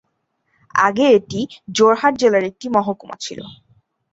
আগে এটি যোরহাট জেলার একটা মহকুমা ছিল।